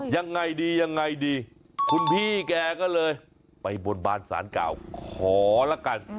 ยังไงดีคุณพี่แกก็เลยไปบนบานสานเก่าขอแล้วกัน